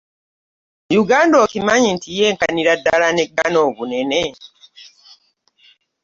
Yuganda okimanyi nti yenkanira ddala ne Ghana mu bunene?